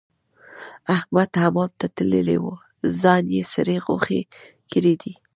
احمد حمام ته تللی وو؛ ځان يې سرې غوښې کړی دی.